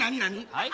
はい？